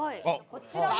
こちらも。